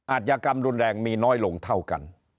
อาจยากรรมรุนแรงมีน้อยลงเท่ากัน